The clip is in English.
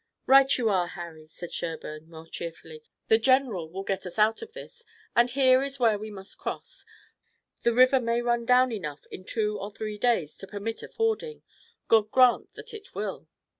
"Right you are, Harry," said Sherburne more cheerfully. "The general will get us out of this, and here is where we must cross. The river may run down enough in two or three days to permit of fording. God grant that it will!"